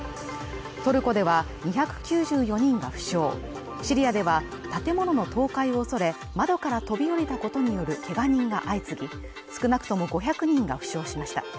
トルコでは２９４人が負傷シリアでは、建物の倒壊を恐れ窓から飛び降りたことによるけが人が相次ぎ、少なくとも５００人が負傷しました。